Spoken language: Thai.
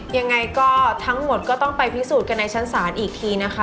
ยังไงก็ทั้งหมดก็ต้องไปพิสูจน์กันในชั้นศาลอีกทีนะคะ